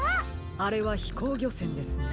あれはひこうぎょせんですね。